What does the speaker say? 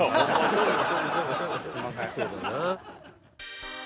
そうだな。